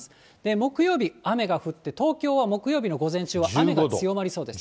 木曜日、雨が降って、東京は木曜日の午前中は雨が強まりそうです。